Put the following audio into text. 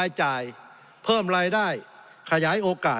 สงบจนจะตายหมดแล้วครับ